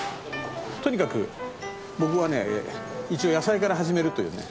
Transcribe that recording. とにかく僕はね一応野菜から始めるというね。